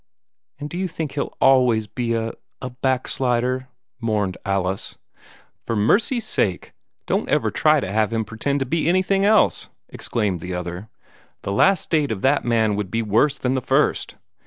"And do you think he'll always be a a back slider," mourned Alice. "For mercy's sake, don't ever try to have him pretend to be anything else!" exclaimed the other. "The last state of that man would be worse than the first.